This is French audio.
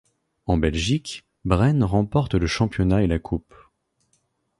En Belgique, Braine remporte le championnat et la coupe.